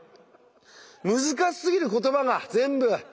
難しすぎる言葉が全部！